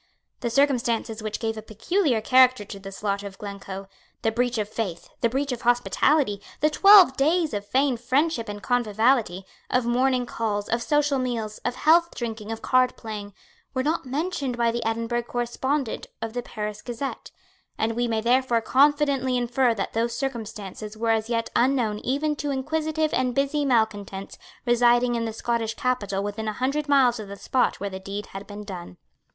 The circumstances which give a peculiar character to the slaughter of Glencoe, the breach of faith, the breach of hospitality, the twelve days of feigned friendship and conviviality, of morning calls, of social meals, of healthdrinking, of cardplaying, were not mentioned by the Edinburgh correspondent of the Paris Gazette; and we may therefore confidently infer that those circumstances were as yet unknown even to inquisitive and busy malecontents residing in the Scottish capital within a hundred miles of the spot where the deed had been done.